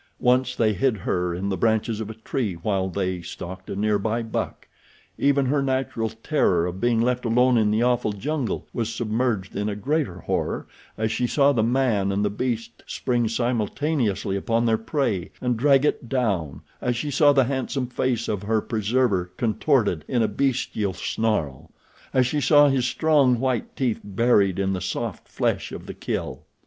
Once they hid her in the branches of a tree while they stalked a near by buck. Even her natural terror of being left alone in the awful jungle was submerged in a greater horror as she saw the man and the beast spring simultaneously upon their prey and drag it down, as she saw the handsome face of her preserver contorted in a bestial snarl; as she saw his strong, white teeth buried in the soft flesh of the kill.